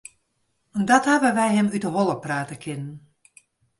Dat hawwe wy him út 'e holle prate kinnen.